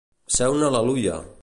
Ser un al·leluia.